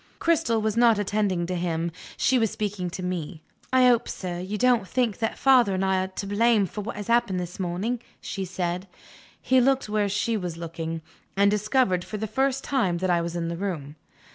Cristel was not attending to him, she was speaking to me. "I hope, sir, you don't think that father and I are to blame for what has happened this morning," she said. He looked where she was looking and discovered, for the first time, that I was in the room.